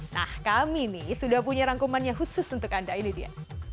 nah kami nih sudah punya rangkumannya khusus untuk anda ini dia